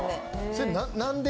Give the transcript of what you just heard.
それ何で？